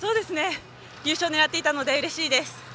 優勝狙ってたのでうれしいです。